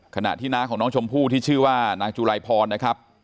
ขณะที่น้าของน้องชมพู่ที่ชื่อว่านางจุลัยพรนะครับ